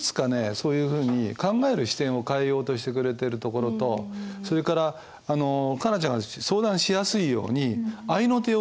そういうふうに考える視点を変えようとしてくれてるところとそれから佳奈ちゃんが相談しやすいように合いの手を打ってんだよね。